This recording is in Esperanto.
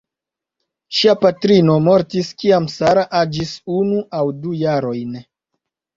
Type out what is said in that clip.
Ŝia patrino mortis kiam Sarah aĝis unu aŭ du jarojn.